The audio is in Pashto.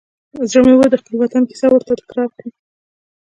زړه مې و چې د خپل وطن کیسه ورته تکرار کړم.